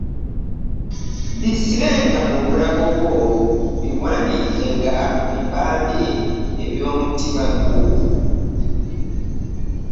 Bisibenga mu bulago bwo; Biwandiikenga ku bipande eby'omutima gwo: